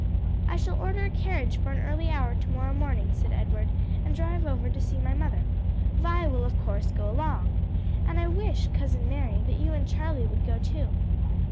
"I shall order a carriage for an early hour to morrow morning," said Edward, "and drive over to see my mother. Vi will, of course, go along, and I wish, Cousin Mary, that you and Charlie would go too."